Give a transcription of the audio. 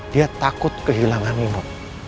dia takut kehilangan nino